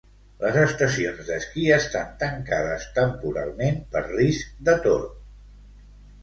Les estacions d'esquí estan tancades temporalment per risc de torb.